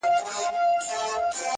ورور مي دی هغه دی ما خپله وژني.